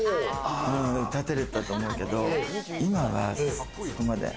建てれてたと思うけど、今はここまで。